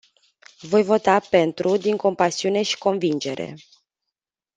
Voi vota pentru, din compasiune și convingere.